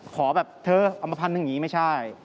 ขอแบบเธอเอามาพันหนึ่งอย่างนี้ไม่ใช่